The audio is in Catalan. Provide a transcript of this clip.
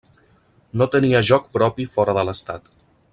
No tenia joc propi fora de l'estat.